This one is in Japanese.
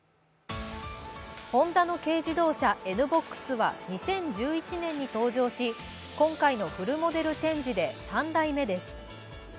ホンダの軽自動車、Ｎ−ＢＯＸは２０１１年に登場し、今回のフルモデルチェンジで３代目です。